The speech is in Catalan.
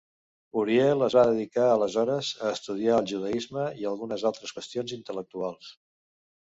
Uriel es va dedicar aleshores a estudiar el judaisme i algunes altres qüestions intel·lectuals.